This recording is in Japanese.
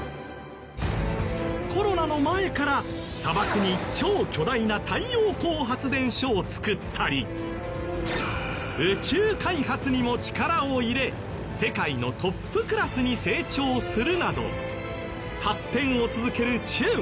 コロナの前から砂漠に超巨大な太陽光発電所を造ったり宇宙開発にも力を入れ世界のトップクラスに成長するなど発展を続ける中国。